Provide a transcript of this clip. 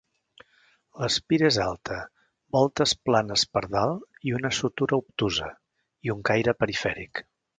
L'espira és alta; voltes planes per dalt i una sutura obtusa i un caire perifèric.